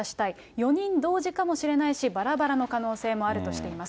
４人同時かもしれないし、ばらばらの可能性もあるとしています。